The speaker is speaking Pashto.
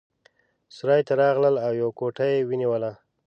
سرای ته راغلل او یوه کوټه یې ونیوله.